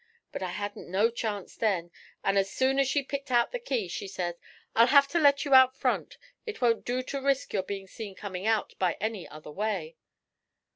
But I hadn't no chance then, an' as soon as she'd picked out the key, she says, "I'll have to let yer out front. It won't do to risk your being seen coming out by any other way."